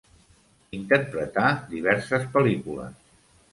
Interpretà diverses pel·lícules.